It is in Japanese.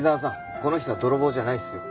この人は泥棒じゃないですよ。